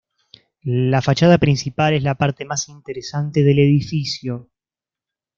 La fachada principal es la parte más interesante del edificio.